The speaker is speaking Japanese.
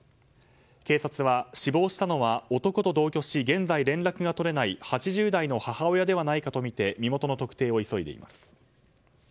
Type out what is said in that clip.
警察は、死亡したのは男と同居し現在、連絡が取れない８０代の母親ではないかとみて身元の特定を急いでいます。